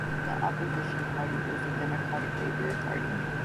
The Opposition party was the Democratic Labour Party.